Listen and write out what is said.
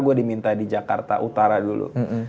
gue diminta di jakarta utara dulu